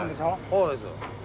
そうです。